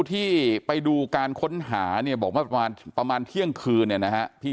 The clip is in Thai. ที่ไปดูการค้นหาเนี่ยบอกว่าประมาณประมาณเที่ยงคืนเนี่ยนะฮะที่